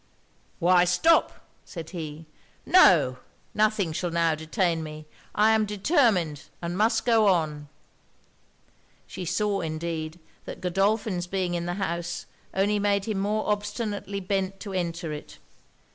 'Why stop?' said he. 'No! nothing shall now detain me; I am determined, and must go on!' She saw, indeed, that Godolphin's being in the house only made him more obstinately bent to enter it.